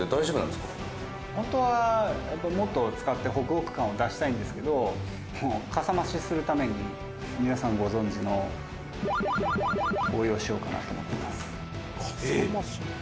「本当はもっと使ってホクホク感を出したいんですけどかさ増しするために皆さんご存じの応用しようかなと思ってます」